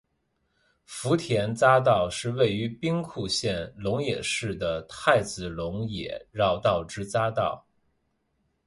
福田匝道是位于兵库县龙野市的太子龙野绕道之匝道。